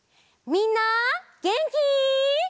みんなげんき？